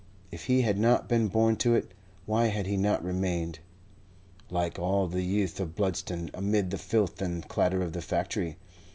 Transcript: If he had not been born to it, why had he not remained, like all 'the youth of Bludston, amid the filth and clatter of the factory?